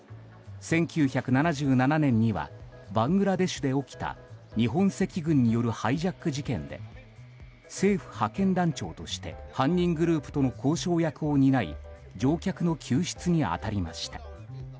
１９７７年にはバングラデシュで起きた日本赤軍によるハイジャック事件で政府派遣団長として犯人グループとの交渉役を担い乗客の救出に当たりました。